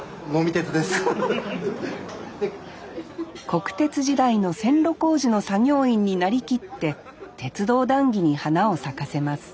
国鉄時代の線路工事の作業員になりきって鉄道談義に花を咲かせます